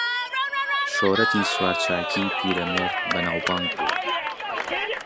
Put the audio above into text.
شۆرەتی سوارچاکیی پیرەمێرد بەناوبانگ بوو